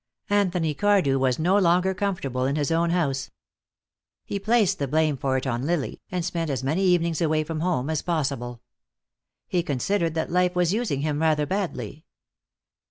Anthony Cardew was no longer comfortable in his own house. He placed the blame for it on Lily, and spent as many evenings away from home as possible. He considered that life was using him rather badly.